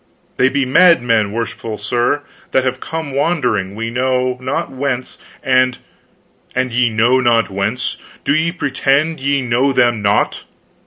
"They be madmen, worshipful sir, that have come wandering we know not whence, and " "Ye know not whence? Do ye pretend ye know them not?"